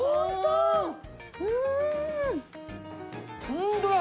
ホントだ！